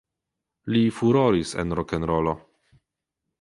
Li furoris en rokenrolo.